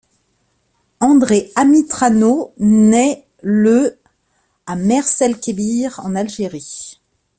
André Amitrano naît le à Mers el-Kébir, en Algérie.